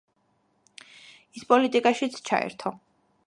ის პოლიტიკაშიც ჩაერთო.